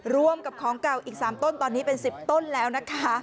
รวมกับของเก่าอีก๓ต้นตอนนี้เป็น๑๐ต้นแล้วนะคะ